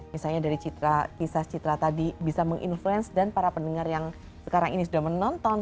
misalnya dari kisah citra tadi bisa menginfluence dan para pendengar yang sekarang ini sudah menonton